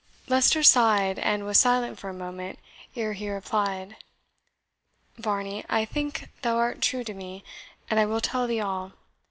Leicester sighed, and was silent for a moment, ere he replied. "Varney, I think thou art true to me, and I will tell thee all.